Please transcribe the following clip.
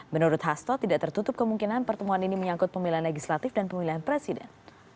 menurut hasto tidak tertutup kemungkinan pertemuan ini menyangkut pemilihan legislatif dan pemilihan presiden